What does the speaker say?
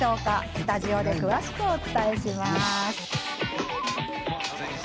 スタジオで詳しくお伝えします。